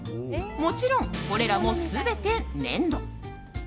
もちろん、これらも全て粘土！